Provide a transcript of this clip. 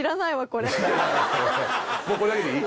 もうこれだけでいい？